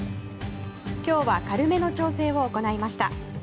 今日は軽めの調整を行いました。